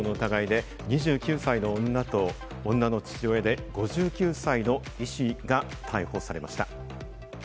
きのう死体遺棄などの疑いで、２９歳の女と、女の父親で５９歳の医師が逮捕されました。